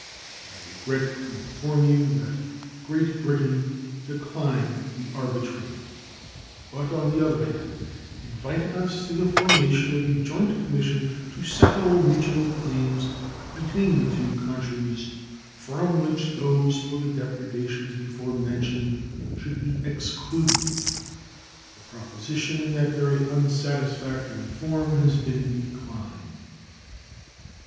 I regret to inform you that Great Britain declined the arbitrament, but, on the other hand, invited us to the formation of a joint commission to settle mutual claims between the two countries, from which those for the depredations before mentioned should be excluded. The proposition, in that very unsatisfactory form, has been declined.